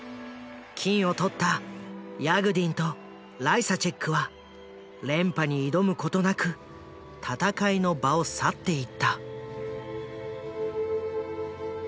金を取ったヤグディンとライサチェックは連覇に挑むことなく戦いの場を去っていた。